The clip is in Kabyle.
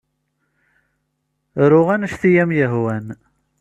Ru anect ay am-yehwan.